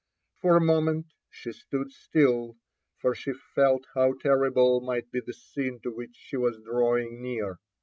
For a moment she stood still, for she felt how terrible might be the scene to which she was drawing near.